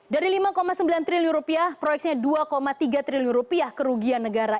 dari lima sembilan triliun rupiah proyeknya dua tiga triliun rupiah kerugian negara